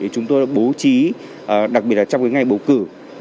chúng tôi đã bố trí đặc biệt là trong ngày bầu cử